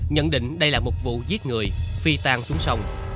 nhận định đây là một vụ giết người phi tan xuống sông